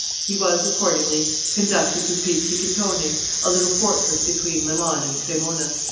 He was, accordingly, conducted to Pizzighittone, a little fortress between Milan and Cremona.